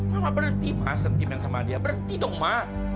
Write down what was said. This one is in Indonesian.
mama berhenti ma sentimen sama dia berhenti dong ma